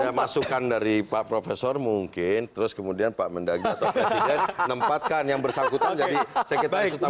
ada masukan dari pak profesor mungkin terus kemudian pak mendagang atau presiden nempatkan yang bersangkutan jadi sekitaran utama